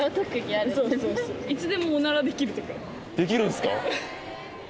できるんすか？